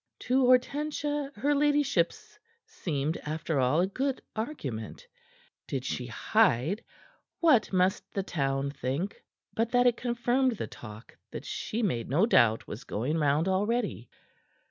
To Hortensia her ladyship's seemed, after all, a good argument. Did she hide, what must the town think but that it confirmed the talk that she made no doubt was going round already.